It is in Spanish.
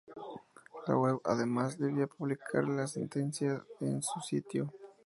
La web, además, debía publicar la sentencia en su sitio.